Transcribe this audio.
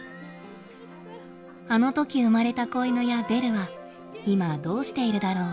あのとき生まれた子犬やベルは今どうしているだろう。